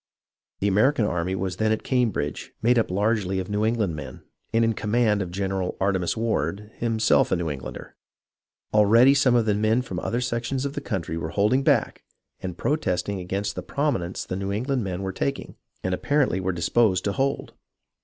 The American army was then at Cam bridge, made up largely of New England men, and in command of General Artemas Ward, himself a New Englander. Already some of the men from other sec tions of the country were holding back and protesting against the prominence the New England men were taking, and apparently were disposed to hold.